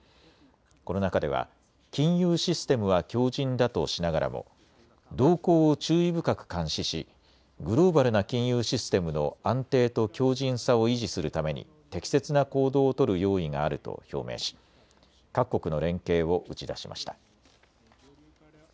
この中では金融システムは強じんだとしながらも動向を注意深く監視しグローバルな金融システムの安定と強じんさを維持するために適切な行動を取る用意があると表明し各国の連携を打ち出しました。